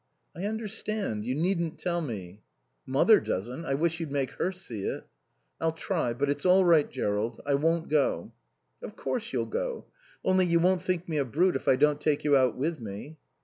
"I understand. You needn't tell me." "Mother doesn't. I wish you'd make her see it." "I'll try. But it's all right, Jerrold. I won't go." "Of course you'll go. Only you won't think me a brute if I don't take you out with me?"